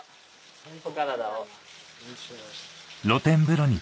お体を。